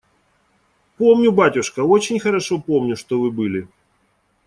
Помню, батюшка, очень хорошо помню, что вы были.